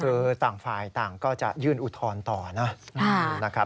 คือต่างฝ่ายต่างก็จะยื่นอุทธรณ์ต่อนะครับ